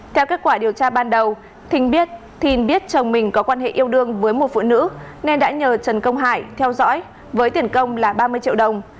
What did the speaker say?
theo kết quả điều tra ban đầu thình biết thìn biết chồng mình có quan hệ yêu đương với một phụ nữ nên đã nhờ trần công hải theo dõi với tiền công là ba mươi triệu đồng